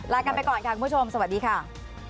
ลากันไปก่อนค่ะคุณผู้ชมสวัสดีค่ะ